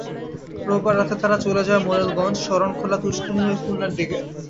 রোববার রাতে তারা চলে যায় মোরেলগঞ্জ, শরণখোলা, তুষখালী হয়ে খুলনার দিকে।